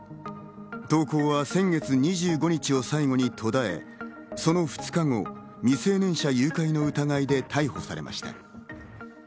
投稿は先月２５日を最後に途絶え、その２日後、未成年者誘拐の疑いで逮捕されました。